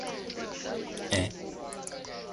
Ukuba nethemba kungakusiza kukho konke okwenzayo.